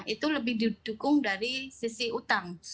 itu lebih didukung dari sisi utang